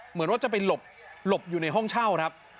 เหมือนว่าจะไปหลบอยู่ในห้องเช่าครับ